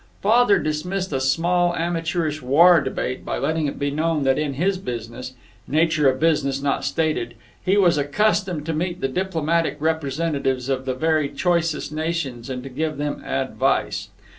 Father dismissed a small, amateurish war debate by letting it be known that in his business nature of business not stated he was accustomed to meet the diplomatic representatives of the very choicest nations, and to give them advice.